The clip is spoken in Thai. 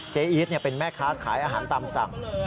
อีทเป็นแม่ค้าขายอาหารตามสั่ง